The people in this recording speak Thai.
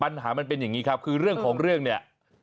ปัญหามันเป็นอย่างนี้ครับคือเรื่องของเรื่องเนี่ย